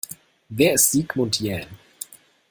Wer ist Sigmund Jähn?